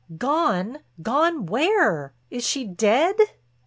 "Gone—gone where? Is she dead?"